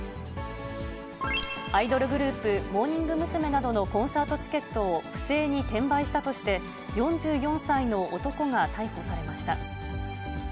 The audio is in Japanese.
アイドルグループ、モーニング娘。などのコンサートチケットを不正に転売したとして、４４歳の男が逮捕されました。